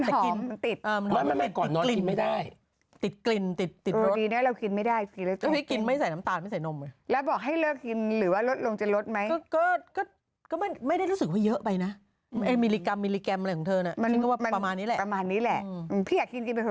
เหรอแต่คนเขาบอกกินก่อนนอนยิ่งนอนสบาย